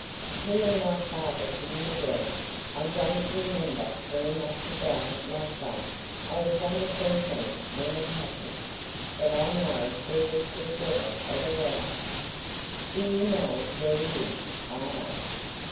"He and my father didn't agree. I don't remember very much about it myself; I was only thirteen when it happened. But I know there was the devil of a row." "Do you know where he is?" I asked.